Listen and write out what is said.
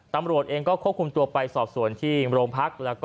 ตำรวจเองก็ควบคุมตัวไปสอบส่วนที่โรงพัก